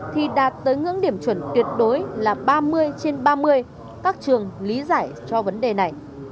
thì đạt tới ngưỡng điểm chuẩn tuyệt đối là ba mươi trên ba mươi các trường lý giải cho vấn đề này